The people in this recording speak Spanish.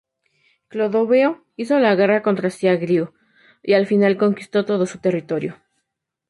Clodoveo hizo la guerra contra Siagrio y al final conquistó todo su territorio.